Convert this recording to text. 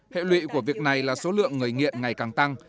hệ lụy của việc này là số lượng người nghiện ngày càng tăng